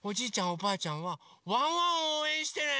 おばあちゃんはワンワンをおうえんしてね！